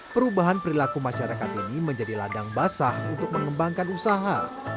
perubahan perilaku masyarakat ini menjadi ladang basah untuk mengembangkan usaha